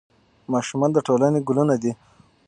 ماشومان د ټولنې ګلونه دي.